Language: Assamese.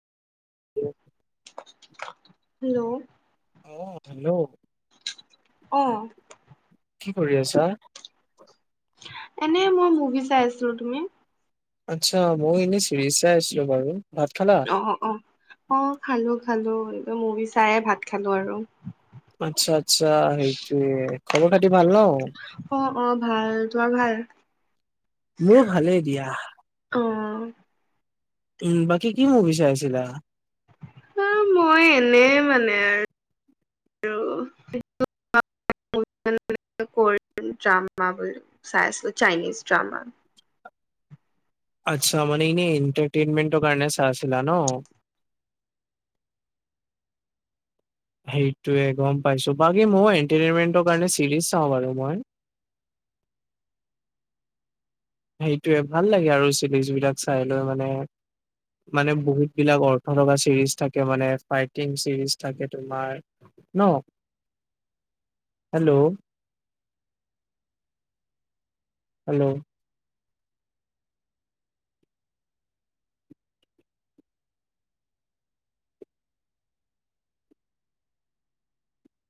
হেল্ল' অ হেল্ল' আহ কি কৰি আছা? এনে মই মুভি চাই আছোঁ তুমি আচ্ছা মই এনে চিৰিচ চাই আছিলো বাৰু ভাত খালা অ অ অ খালো খালো একদম মুভি চাই ভাত খালো আৰু আচ্ছা আচ্ছা সেইটোৱে খবৰ খাতি ভাল ন অ অ ভাল তোমাৰ ভাল মোৰ ভালেই দিয়া [unintelligible] উম বাকী কি মুভি চাইছিলা অ মই এনে মানে আৰু [unintelligible] কৰিয়ান ড্ৰামা বুলি চাই আছিলো চাইনিজ ড্ৰামা [unintelligible] আচ্ছা মানে ইনে এণ্টাৰটেইনমেটৰ কাৰণে চাইছিলা ন [unintelligible] সেইটোৱে গম পাইছো বাকী ময়ো এন্টাৰটেইনমেন্ট চিৰিজ চাওঁ বাৰু মই [unintelligible] সেইটোয়ে ভাল লাগে আৰু চিৰিজ বিলাক চাই লৈ মানে মানে বহুত বিলাক অৰ্থ লগা চিৰিজ থাকে মানে ফাইটিং চিৰিজ থাকে তোমাৰ ন [unintelligible] হেল্ল' হেল্ল'